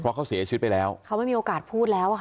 เพราะเขาเสียชีวิตไปแล้วเขาไม่มีโอกาสพูดแล้วอะค่ะ